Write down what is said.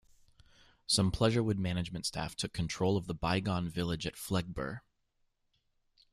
Some Pleasurewood management staff took control of The Bygone Village at Fleggburgh.